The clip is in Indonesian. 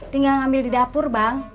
tinggal ngambil di dapur bang